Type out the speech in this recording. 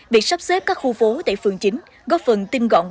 việc sắp xếp các khu phố tại phường chín góp phần tinh gọn